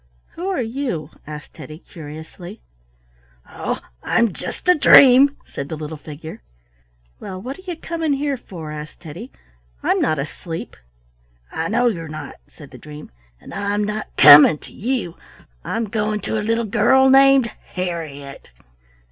"Who are you?" asked Teddy, curiously. "Oh, I'm just a dream," said the little figure. "Well, what are you coming here for?" asked Teddy; "I'm not asleep." "I know you're not," said the dream, "and I'm not coming to you. I'm going to a little girl named Harriett."